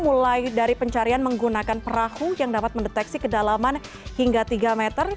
mulai dari pencarian menggunakan perahu yang dapat mendeteksi kedalaman hingga tiga meter